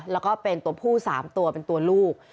แล้วก็เป็นตัวผู้๓ตัวเป็นตัวลูก